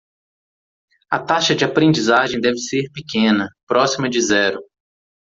A taxa de aprendizagem deve ser pequena, próxima de zero.